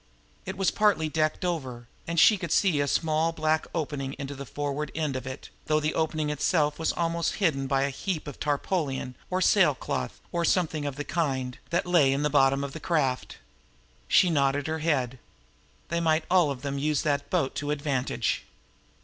It was partly decked over, and she could see a small black opening into the forward end of it, though the opening itself was almost hidden by a heap of tarpaulin, or sailcloth, or something of the kind, that lay in the bottom of the craft. She nodded her head. They might all of them use that boat to advantage!